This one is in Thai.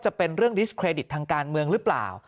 เป็นเรื่องดิสเครดิตทางการเมืองหรือเปล่า